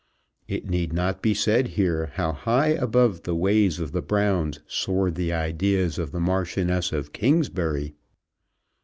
It need not be said here how high above the ways of the Browns soared the ideas of the Marchioness of Kingsbury.